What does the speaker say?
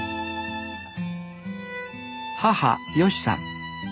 母好さん。